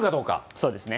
そうですね。